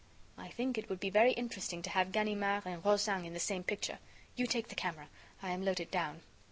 "I think it would be very interesting to have Ganimard and Rozaine in the same picture. You take the camera. I am loaded down."